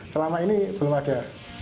selama ini belum ada